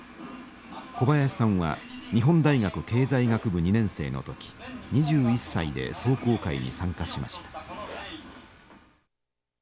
小林さんは日本大学経済学部２年生の時２１歳で壮行会に参加しました。